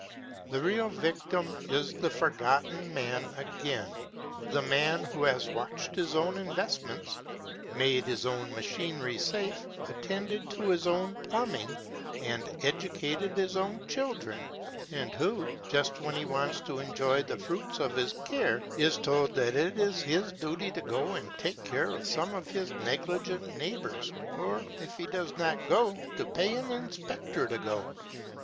The real victim is the Forgotten Man again the man who has watched his own investments, made his own machinery safe, attended to his own plumbing, and educated his own children, and who, just when he wants to enjoy the fruits of his care, is told that it is his duty to go and take care of some of his negligent neighbors, or, if he does not go, to pay an inspector to go.